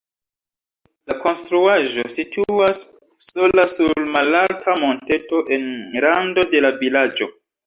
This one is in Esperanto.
La konstruaĵo situas sola sur malalta monteto en rando de la vilaĝo.